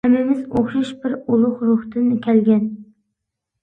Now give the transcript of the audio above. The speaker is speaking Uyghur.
ھەممىمىز ئوخشاش بىر ئۇلۇغ روھتىن كەلگەن.